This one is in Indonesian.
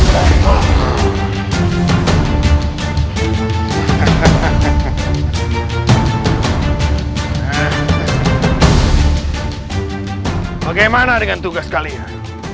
bagaimana dengan tugas kalian